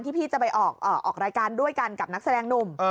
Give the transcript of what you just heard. พี่จะไปออกรายการด้วยกันกับนักแสดงหนุ่ม